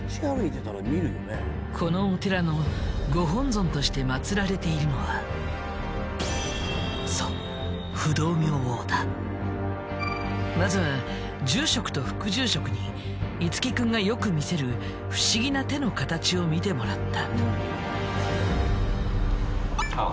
このお寺の御本尊として祭られているのはそうまずは住職と副住職に樹君がよく見せる不思議な手の形を見てもらった。